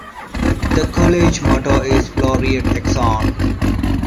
The College motto is Floreat Exon.